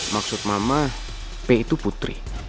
maksud mama p itu putri